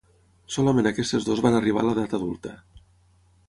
Solament aquestes dues van arribar a l'edat adulta.